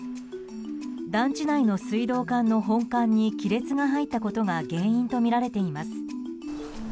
団地内の水道管の本管に亀裂が入ったことが原因とみられています。